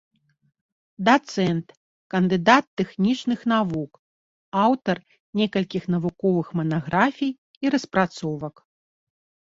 Дацэнт, кандыдат тэхнічных навук, аўтар некалькіх навуковых манаграфій і распрацовак.